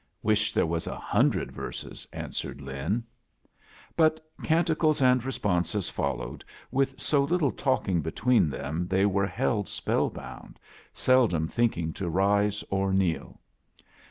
''Wish there was a hundred verses," an swered Lin. Bat canticles and responses followed, with so little talking between them they were held spellbound, seldom thinking to rise or kneel.